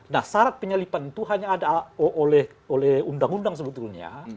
nah syarat penyalipan itu hanya ada oleh undang undang sebetulnya